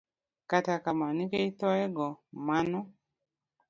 Kata kamano, nikech thoye go, mano